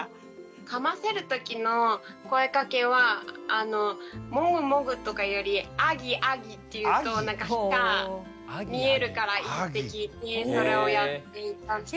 かませる時の声かけは「もぐもぐ」とかより「あぎあぎ」って言うと歯が見えるからいいって聞いてそれをやっていました。